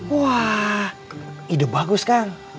wah ide bagus kang